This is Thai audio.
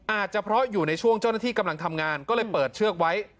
อาจจะเพราะอยู่ในช่วงเจ้าหน้าที่กำลังทำงานก็เลยเปิดเชือกไว้